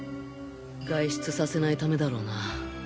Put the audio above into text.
外出させないためだろうな。